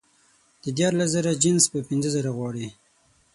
د دیارلس زره جنس په پینځه زره غواړي